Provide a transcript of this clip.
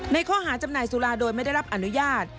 ในข้อหาจำหน่ายสุราโดยไม่ได้รับอนุญาต